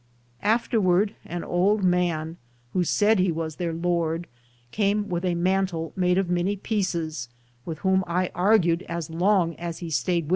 1 Afterward, an old man, who said he was their lord, came with a mantle made of many pieces, with whom I argued as long as he stayed with me.